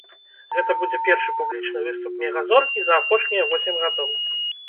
Гэта будзе першы публічны выступ мега-зоркі за апошнія восем гадоў.